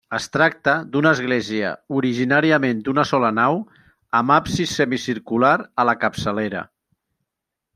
Es tracta d'una església originàriament d'una sola nau amb absis semicircular a la capçalera.